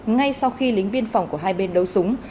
ngay sau khi lính biên phòng của hai bên đấu súng